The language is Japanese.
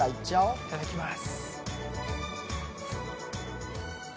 いただきます。